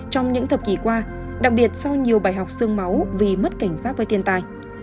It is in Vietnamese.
trong những thập kỷ qua đặc biệt sau nhiều bài học sương máu vì mất cảnh sát với tiền tài